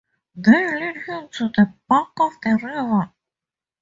They lead him to the bank of the river.